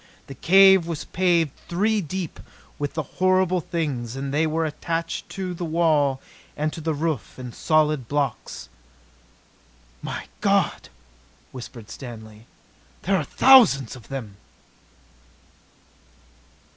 The cave was paved three deep with the horrible things, and they were attached to the it walls and roof in solid blocks. "My God!" whispered Stanley. "There are thousands of them!"